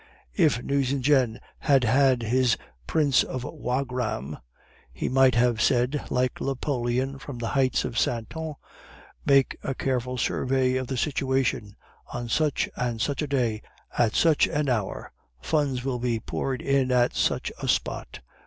If Nucingen had had his Prince of Wagram, he might have said, like Napoleon from the heights of Santon, 'Make a careful survey of the situation; on such and such a day, at such an hour funds will be poured in at such a spot.